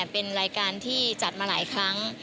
เป็นรายการที่จัดมาหลายครั้ง